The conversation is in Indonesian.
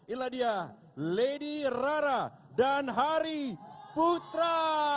inilah dia lady rara dan hari putra